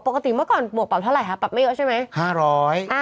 ปกติเมื่อก่อนบวกปรับเท่าไหร่คะปรับไม่เยอะใช่ไหม